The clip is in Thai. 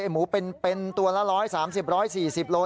หมูเป็นตัวละ๑๓๐๑๔๐โล